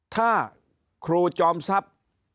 ถ้าครูจอมทรัพย์